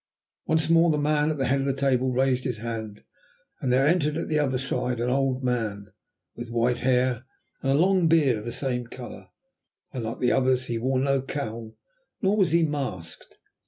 Once more the man at the head of the table raised his hand, and there entered at the other side an old man, with white hair and a long beard of the same colour. Unlike the others he wore no cowl, nor was he masked.